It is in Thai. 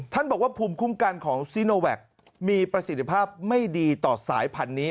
ท่านบอกว่าภูมิคุ้มกันของซีโนแวคมีประสิทธิภาพไม่ดีต่อสายพันธุ์นี้